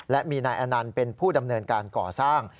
และมีนายอนันต์เป็นผู้ดำเนินการก่อสร้าง